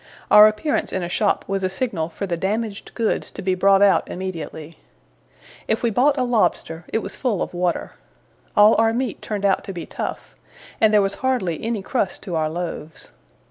Our appearance in a shop was a signal for the damaged goods to be brought out immediately. If we bought a lobster, it was full of water. All our meat turned out to be tough, and there was hardly any crust to our loaves.